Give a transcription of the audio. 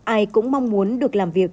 ai cũng mong muốn được làm việc